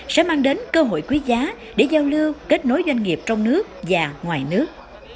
sẽ mang đến cơ hội quý giá để giao lưu kết nối doanh nghiệp trong nước và ngoài nước